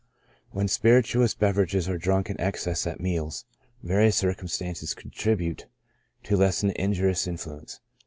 When spirituous beverages are drunk in excess at meals^ various circumstances contribute to lessen the injurious in fluence.